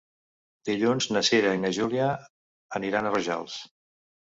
Dilluns na Cira i na Júlia aniran a Rojals.